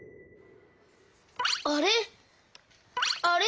あれ？